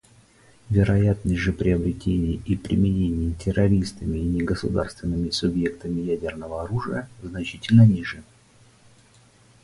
Вероятность же приобретения и применения террористами и негосударственными субъектами ядерного оружия значительно ниже.